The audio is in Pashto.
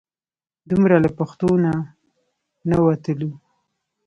دومره له پښتو نه نه وتلو.